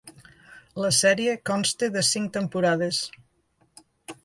La sèrie consta de cinc temporades.